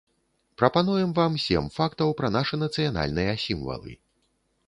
Прапануем вам сем фактаў пра нашы нацыянальныя сімвалы.